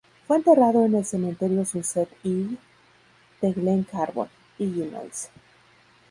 Fue enterrado en el Cementerio Sunset Hill de Glen Carbon, Illinois.